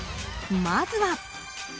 まずは。